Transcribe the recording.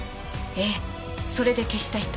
ええそれで消したいと。